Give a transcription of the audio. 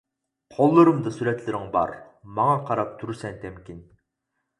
قوللىرىمدا سۈرەتلىرىڭ بار، ماڭا قاراپ تۇرىسەن تەمكىن.